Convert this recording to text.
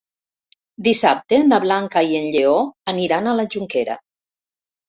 Dissabte na Blanca i en Lleó aniran a la Jonquera.